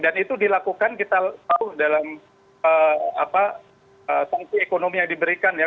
dan itu dilakukan kita tahu dalam sanksi ekonomi yang diberikan ya